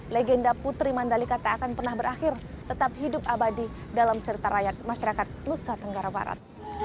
legenda putri mandalika tak akan pernah berakhir tetap hidup abadi dalam cerita rakyat masyarakat nusa tenggara barat